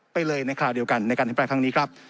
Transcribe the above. ไปเลยในคราวเดียวกันในการอธิบายครั้งนี้ครับ